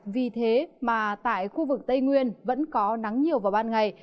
vì thế mà tại khu vực tây nguyên vẫn có nắng nhiều vào ban ngày